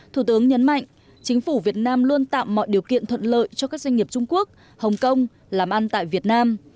thủ tướng nhấn mạnh chính phủ việt nam luôn tạo mọi điều kiện thuận lợi cho các doanh nghiệp trung quốc hồng kông làm ăn tại việt nam